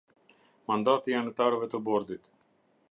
Mandati i anëtarëve të Bordit.